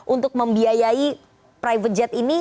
untuk membiayai private jet ini